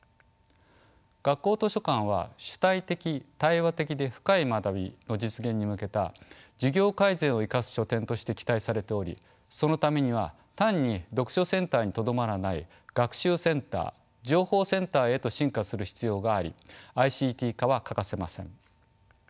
学校図書館は主体的・対話的で深い学びの実現に向けた授業改善を生かす書店として期待されておりそのためには単に読書センターにとどまらない学習センター情報センターへと進化する必要がありＩＣＴ化は欠かせません。